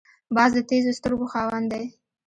باز د تېزو سترګو خاوند دی